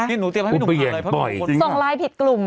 นี่หนูเตรียมให้พี่หนุ่มเปลี่ยนเลยเพราะส่งไลน์ผิดกลุ่ม